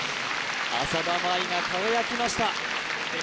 浅田舞が輝きました